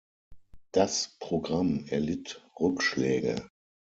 Das Programm erlitt Rückschläge.